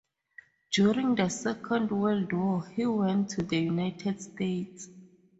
During the Second World War, he went to the United States.